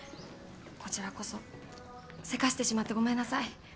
こちらこそせかしてしまってごめんなさい。